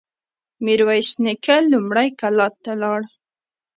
ميرويس نيکه لومړی کلات ته لاړ.